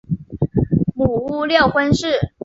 母乌六浑氏。